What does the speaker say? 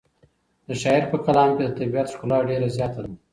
د شاعر په کلام کې د طبیعت ښکلا ډېره زیاته ده.